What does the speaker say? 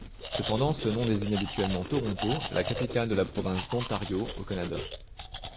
Cependant ce nom désigne habituellement Toronto, la capitale de la province d'Ontario, au Canada.